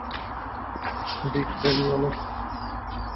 ভিক ভেন এলেন?